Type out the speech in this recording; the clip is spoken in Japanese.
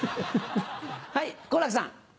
はい好楽さん。